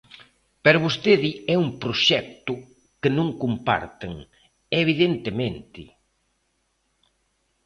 Pero vostedes é un proxecto que non comparten, evidentemente.